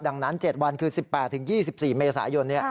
ดังนั้น๗วันคือ๑๘๒๔เมษายน